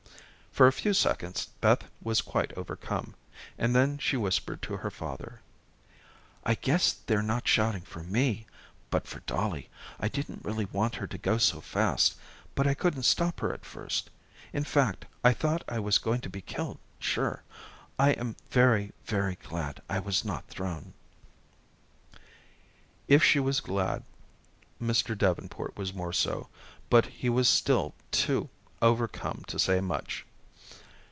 For a few seconds Beth was quite overcome, and then she whispered to her father: "I guess they're not shouting for me, but for Dollie. I didn't really want her to go so fast, but I couldn't stop her at first. In fact, I thought I was going to be killed, sure. I am very, very glad I was not thrown." If she was glad, Mr. Davenport was more so, but he was still too overcome to say much.